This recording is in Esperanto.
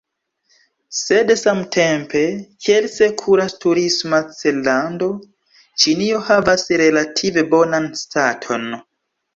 Sed samtempe, kiel sekura turisma cellando, Ĉinio havas relative bonan staton.